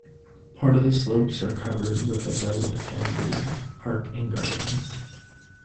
Part of the slopes are covered with a well attended park and gardens.